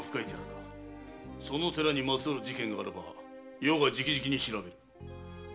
その寺にまつわる事件があらば余が直々に調べる。